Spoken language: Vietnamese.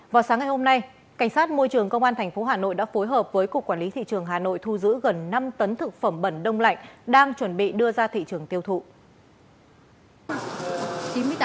vào sáng ngày hôm nay cảnh sát môi trường công an tp hà nội đã phối hợp với cục quản lý thị trường hà nội thu giữ gần năm tấn thực phẩm bẩn đông lạnh đang chuẩn bị đưa ra thị trường tiêu thụ